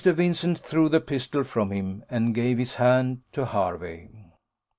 Vincent threw the pistol from him, and gave his hand to Hervey.